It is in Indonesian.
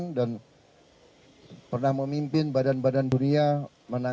tapi cara tersebut sudah saling dim céntri dan kamu juga ada alasan tersebut masih clebri di ter tabsattering jaring